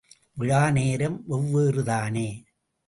விழா நேரம் வெவ்வேறுதானே!